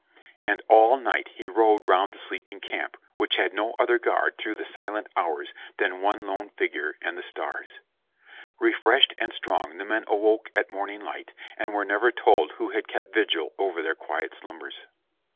"And all night he rode round that sleeping camp, which had no other guard through the silent hours than the one lone figure and the stars. Refreshed and strong the men awoke at morning light, and were never told who had kept vigil over their quiet slumbers?"